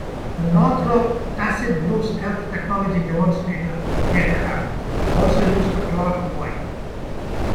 The Northrop Tacit Blue stealth technology demonstrator aircraft also used a Clark Y.